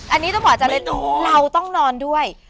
อันนี้ต้องหวัดจำเลยเราต้องนอนด้วย